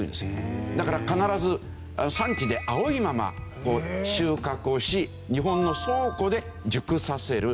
だから必ず産地で青いまま収穫をし日本の倉庫で熟させる。